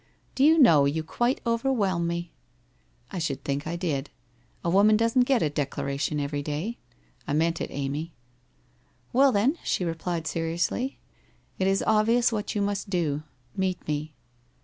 * Do you know, you quite overwhelm me? '' I should think I did. A woman doesn't get a declara tion every day. I meant it, Amy.' 1 Well, then/ she replied seriously, ' it is obvious what you must do. Meet me.'